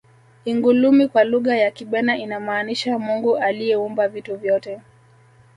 ingulumi kwa lugha ya kibena inamaanisha mungu aliyeumba vitu vyote